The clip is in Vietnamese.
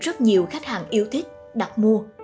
rất nhiều khách hàng yêu thích đặt mua